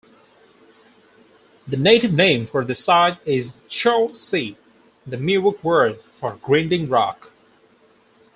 The native name for the site is "Chaw'se", the Miwok word for "grinding rock".